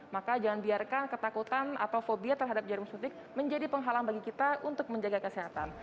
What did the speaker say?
maka jangan biarkan ketakutan atau fobia terhadap jarum suntik menjadi penghalang bagi kita untuk menjaga kesehatan